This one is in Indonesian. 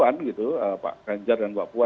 kan gitu pak ganjar dan mbak pua